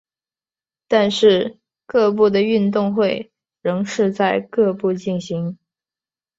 但是各部的运动会仍是在各部进行。